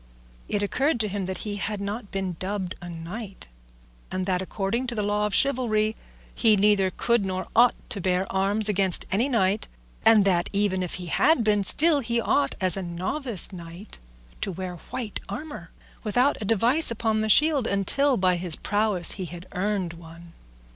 It occurred to him that he had not been dubbed a knight, and that according to the law of chivalry he neither could nor ought to bear arms against any knight; and that even if he had been, still he ought, as a novice knight, to wear white armour, without a device upon the shield until by his prowess he had earned one.